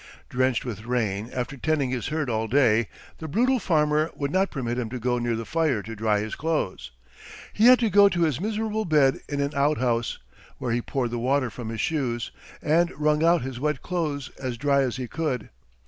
Drenched with rain after tending his herd all day, the brutal farmer would not permit him to go near the fire to dry his clothes. He had to go to his miserable bed in an out house, where he poured the water from his shoes, and wrung out his wet clothes as dry as he could.